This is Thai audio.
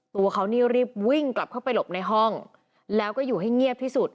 ตัวเขานี่รีบวิ่งกลับเข้าไปหลบในห้องแล้วก็อยู่ให้เงียบที่สุด